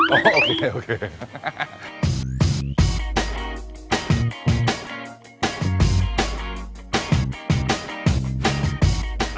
โอเค